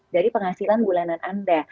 dari penghasilan bulanan anda